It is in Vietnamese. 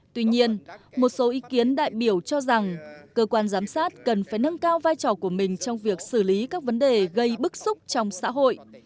tuy nhiên một số ý kiến đại biểu cho rằng cơ quan giám sát cần phải nâng cao vai trò của mình trong việc xử lý các vấn đề gây bức xúc trong xã hội